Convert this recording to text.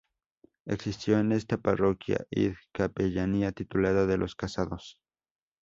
Existió en esta parroquia Id Capellanía titulada de los Casados.